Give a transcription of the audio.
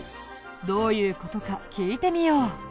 どういう事か聞いてみよう。